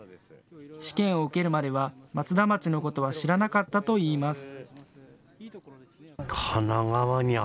試験を受けるまでは松田町のことは知らなかったといいます。